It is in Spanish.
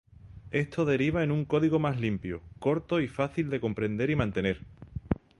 Esto deriva en un código más limpio, corto y fácil de comprender y mantener.